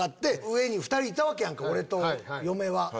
上に２人いたわけやんか俺と嫁は。